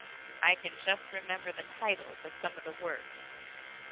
I can just remember the titles of some of the works.